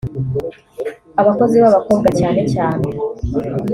Abakozi b’abakobwa cyane cyane